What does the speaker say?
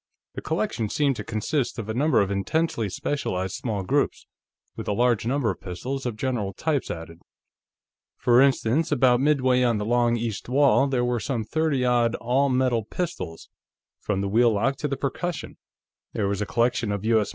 The collection seemed to consist of a number of intensely specialized small groups, with a large number of pistols of general types added. For instance, about midway on the long east wall, there were some thirty odd all metal pistols, from wheel lock to percussion. There was a collection of U.S.